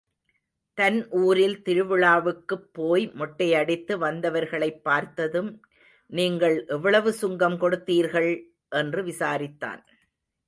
தன் ஊரில் திருவிழாவுக்குப் போய் மொட்டையடித்து வந்தவர்களைப் பார்த்ததும், நீங்கள் எவ்வளவு சுங்கம் கொடுத்தீர்கள்? என்று விசாரித்தான்.